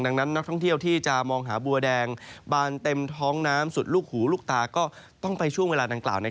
ดังนั้นนักท่องเที่ยวที่จะมองหาบัวแดงบานเต็มท้องน้ำสุดลูกหูลูกตาก็ต้องไปช่วงเวลาดังกล่าว